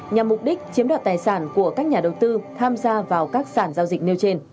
nhằm mục đích chiếm đoạt tài sản của các nhà đầu tư tham gia vào các sản giao dịch nêu trên